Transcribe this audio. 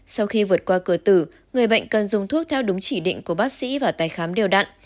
sau khi vượt qua cửa tử người bệnh cần dùng thuốc theo đúng chỉ định của bác sĩ và tài khám đều đặn